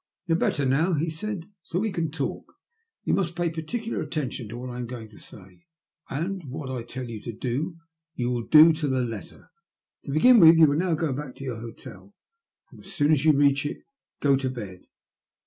" You are better now," he said, *' so we can talk. Ton must pay particular attention to what I am going to say, and what I tell you to do you will do to the letter. To begin with, you will now go back to your hotel, and, as soon as you reach it, go to bed.